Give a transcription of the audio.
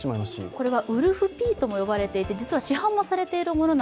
これはウルフピーとも呼ばれていまして、市販もされています。